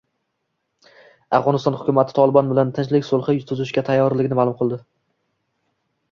Afg‘oniston hukumati “Tolibon” bilan tinchlik sulhi tuzishga tayyorligini ma’lum qildi